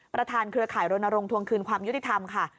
ประธานเครือข่ายโรนโรงทวงคืนความยุติธรรมค่ะ